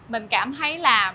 mình cảm thấy là